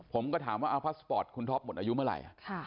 ผมก็ถามว่าเอาพาสปอร์ตคุณท็อปหมดอายุเมื่อไหร่